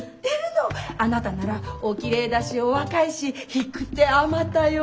あなたならおきれいだしお若いし引く手あまたよ。